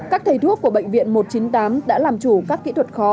các thầy thuốc của bệnh viện một trăm chín mươi tám đã làm chủ các kỹ thuật khó